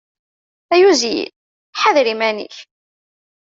Ay uzyin, ḥader iman-ik!